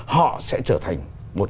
họ sẽ trở thành